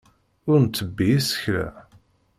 Ur nttebbi isekla.